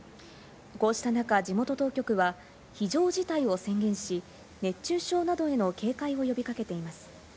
こうした中、地元当局は非常事態を宣言し、熱中症などへの警戒を呼びかけています。